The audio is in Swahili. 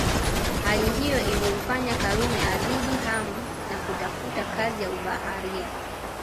Hali hiyo ilimfanya Karume azidi hamu na kutafuta kazi ya ubaharia